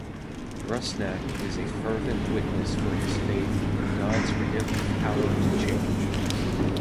Rusnak is a fervent witness for his faith and God's redemptive power to change.